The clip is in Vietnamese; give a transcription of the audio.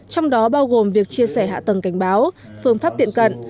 trong đó bao gồm việc chia sẻ hạ tầng cảnh báo phương pháp tiện cận